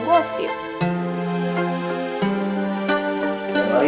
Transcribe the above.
tidak ada yang bisa menggambarkan